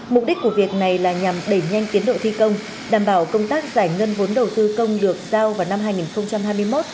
mục đích của việc này là nhằm đẩy nhanh tiến độ thi công đảm bảo công tác giải ngân vốn đầu tư công được giao vào năm hai nghìn hai mươi một